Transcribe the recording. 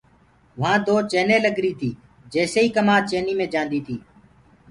وهآ دو چيني لگريٚونٚ تي جيسي ئي ڪمآد چينيٚ مي جآنديٚ۔